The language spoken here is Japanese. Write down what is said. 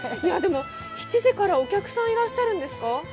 ７時からお客さん、いらっしゃるんですか？